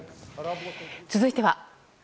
続いては。